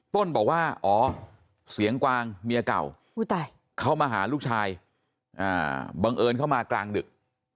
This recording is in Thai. ต้นบอกว่าอ๋อเสียงกวางเมียเก่าเข้ามาหาลูกชายบังเอิญเข้ามากลางดึก